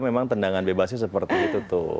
memang tendangan bebasnya seperti itu tuh